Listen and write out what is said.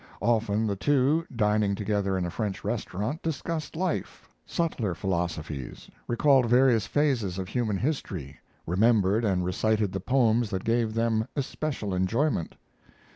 Often the two, dining together in a French restaurant, discussed life, subtler philosophies, recalled various phases of human history, remembered and recited the poems that gave them especial enjoyment.